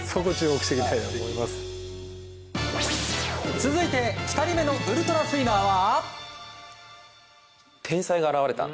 続いて２人目のウルトラスイマーは。